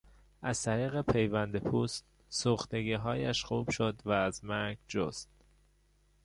از طریق پیوند پوست سوختگیهایش خوب شد و از مرگ جست.